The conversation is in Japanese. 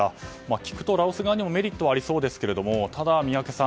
聞くと、ラオス側にもメリットはありそうですけどただ、宮家さん